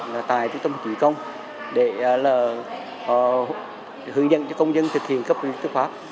là tài tư tâm chỉ công để hướng dẫn cho công dân thực hiện cấp lý lịch tư pháp